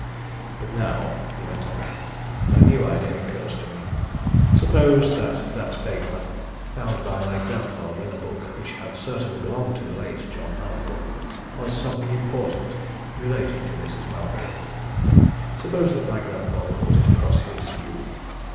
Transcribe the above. "But now," he went on, "a new idea occurs to me. Suppose that that paper, found by my grandfather in a book which had certainly belonged to the late John Mallathorpe, was something important relating to Mrs. Mallathorpe? Suppose that my grandfather brought it across here to you?